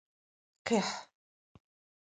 Къихь!